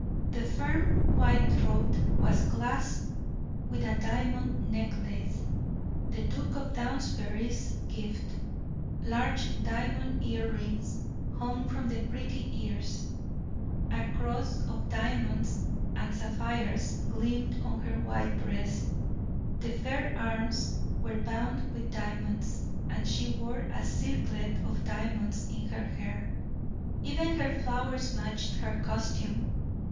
The firm white throat was clasped with a diamond necklace, the Duke of Downsbury's gift; large diamond ear rings hung from the pretty ears, a cross of diamonds and sapphires gleamed on her white breast, the fair arms were bound with diamonds, and she wore a circlet of diamonds in her hair. Even her flowers matched her costume.